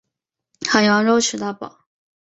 烤羊肉吃到饱